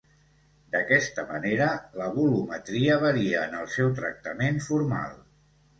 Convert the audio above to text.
D'aquesta manera, la volumetria varia en el seu tractament formal.